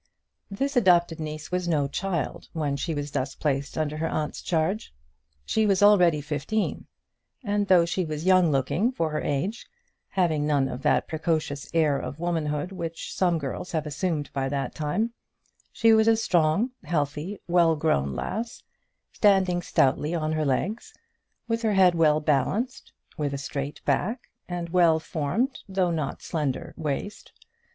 This adopted niece was no child when she was thus placed under her aunt's charge. She was already fifteen, and though she was young looking for her age, having none of that precocious air of womanhood which some girls have assumed by that time, she was a strong healthy well grown lass, standing stoutly on her legs, with her head well balanced, with a straight back, and well formed though not slender waist.